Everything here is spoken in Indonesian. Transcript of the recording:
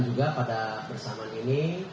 juga pada bersamaan ini